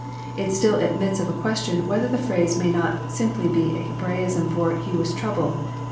It still admits of a question whether the phrase may not be simply a Hebraism for " He was troubled."